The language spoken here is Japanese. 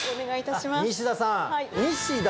西田さん。